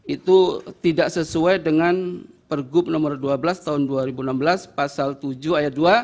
itu tidak sesuai dengan pergub nomor dua belas tahun dua ribu enam belas pasal tujuh ayat dua